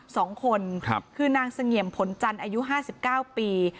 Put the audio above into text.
สองคนคือนางเสง่าผลจันอายุห้าสิบเก้าปี